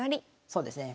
そうですね。